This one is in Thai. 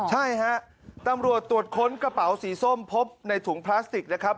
ใช่ฮะตำรวจตรวจค้นกระเป๋าสีส้มพบในถุงพลาสติกนะครับ